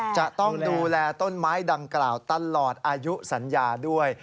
จะต้องดูแลต้นไม้ดังกล่าวตลอดอายุสัญญาด้วย